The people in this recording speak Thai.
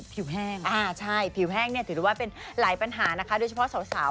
แห้งอ่าใช่ผิวแห้งเนี่ยถือได้ว่าเป็นหลายปัญหานะคะโดยเฉพาะสาว